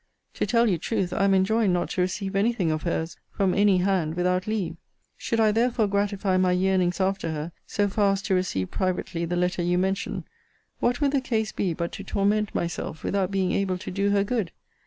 To tell you truth, I am enjoined not to receive any thing of her's, from any hand, without leave. Should I therefore gratify my yearnings after her, so far as to receive privately the letter you mention, what would the case be, but to torment myself, without being able to do her good?